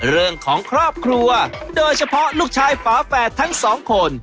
เรื่องของครอบครัวโดยเฉพาะลูกชายฝาแฝดทั้งสองคน